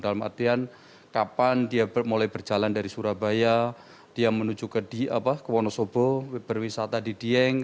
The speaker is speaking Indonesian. dalam artian kapan dia mulai berjalan dari surabaya dia menuju ke wonosobo berwisata di dieng